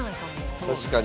「確かに」